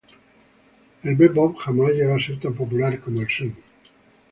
El "bebop" jamás llegó a ser tan popular como el "swing".